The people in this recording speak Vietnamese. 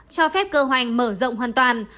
cho phép cơ hoành mở rộng hoàn toàn